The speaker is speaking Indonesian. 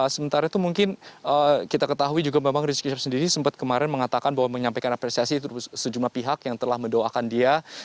sementara itu mungkin kita ketahui juga memang rizik syihab sendiri sempat kemarin mengatakan bahwa menyampaikan apresiasi sejumlah pihak yang telah mendoakan dia